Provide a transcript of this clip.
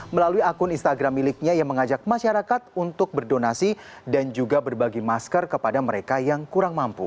melalui akun instagram miliknya yang mengajak masyarakat untuk berdonasi dan juga berbagi masker kepada mereka yang kurang mampu